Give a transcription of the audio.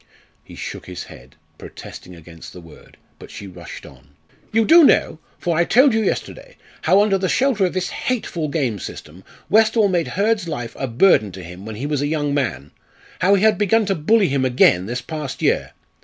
He shook his head, protesting against the word, but she rushed on. "You do know for I told you yesterday how under the shelter of this hateful game system Westall made Kurd's life a burden to him when he was a young man how he had begun to bully him again this past year.